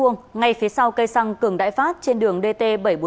ngay phía sau cây xăng cường đại phát trên đường dt bảy trăm bốn mươi